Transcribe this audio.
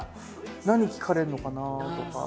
「何聞かれるのかな？」とか。